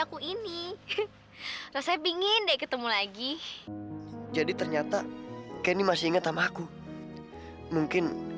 aku ini rasa pingin deh ketemu lagi jadi ternyata kenny masih ingat sama aku mungkin